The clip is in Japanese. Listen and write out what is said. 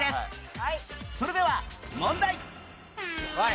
それでは問題